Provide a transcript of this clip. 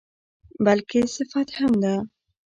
بلکې صفت هم ده.